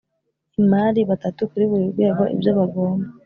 imari batatu kuri buri rwego Ibyo bagomba